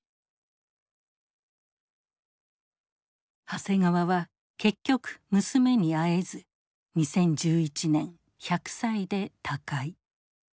長谷川は結局娘に会えず２０１１年１００歳で他界。